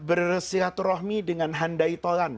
bersyaraturahmi dengan handai tolan